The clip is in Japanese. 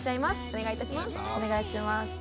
お願いします。